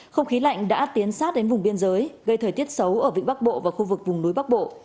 không khí lạnh đã tiến sát đến vùng biên giới gây thời tiết xấu ở vịnh bắc bộ và khu vực vùng núi bắc bộ